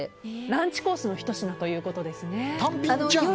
ランチコースのひと品ということですね。